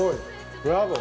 ブラボー。